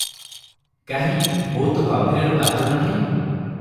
କାହିଁ, ବୋହୂ ତ ଗମ୍ଭୀରୀରୁ ବାହାରୁ ନାହିଁ?